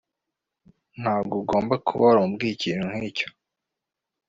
Ntabwo ugomba kuba waramubwiye ikintu nkicyo